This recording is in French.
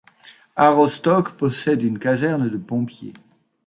Aroostook possède une caserne de pompiers.